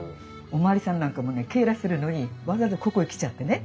おまわりさんなんかもね警らするのにわざわざここへ来ちゃってね